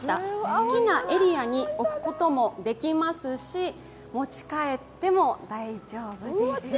好きなエリアに置くこともできますし、持ち帰っても大丈夫です。